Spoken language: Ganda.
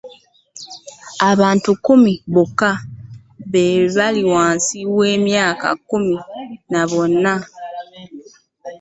Abantu kkumi bokka be bali wansi w'emyaka kkumi na bana